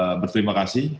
sangat berterima kasih